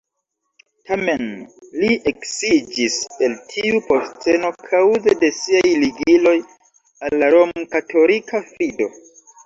Tamen, li eksiĝis el tiu posteno kaŭze de siaj ligiloj al la romkatolika fido.